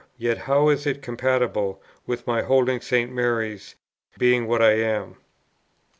Yet how is it compatible with my holding St. Mary's, being what I am?"